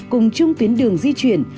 cùng chung tuyến đường di chuyển